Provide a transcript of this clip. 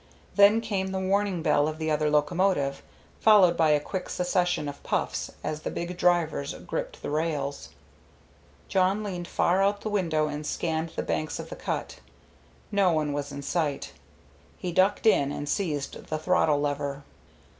Then came the warning bell of the other locomotive, followed by a quick succession of puffs as the big drivers gripped the rails. Jawn leaned far out the window and scanned the banks of the cut. No one was in sight. He ducked in and seized the throttle lever.